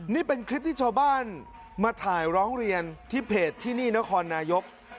นี่เป็นคลิปที่ชาวบ้านมาถ่ายร้องเรียนที่เพจที่นี่นครนายก